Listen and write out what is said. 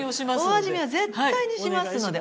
お味見は絶対にしますので。